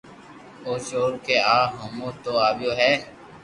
او چور ڪي آ ھومو تو اوڀو ھي